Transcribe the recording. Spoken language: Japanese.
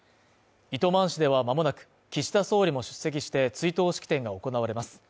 糸満市ではまもなく岸田総理も出席して追悼式典が行われます。